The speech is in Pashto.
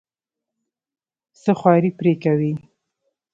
څه خواري پرې کوې.